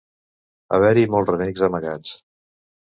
Haver-hi molts renecs amagats.